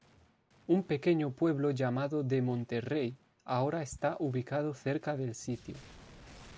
Un pequeño pueblo llamado de Monterrey, ahora está ubicado cerca del sitio.